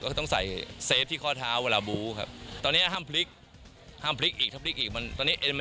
อุ้ยพี่ถึงเนอะ